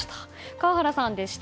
川原さんでした。